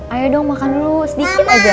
ayo dong makan dulu sedikit aja